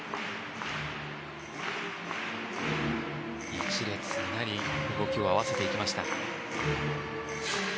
１列になり動きを合わせていきました。